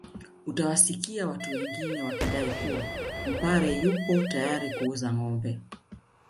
Utawasikia watu wengine wakidai kuwa Mpare yupo tayari kuuza ngombe